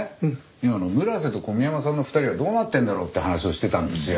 今村瀬と小宮山さんの２人はどうなってんだろう？って話をしてたんですよ。